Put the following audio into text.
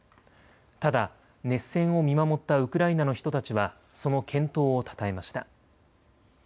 ただ熱戦を見守ったウクライナの人たちはその健闘をたたえました。